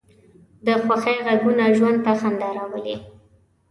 د خوښۍ غږونه ژوند ته خندا راولي